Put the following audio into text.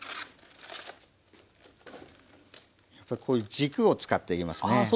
こういう軸を使っていきますね。